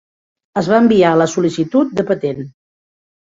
Es va enviar la sol·licitud de patent.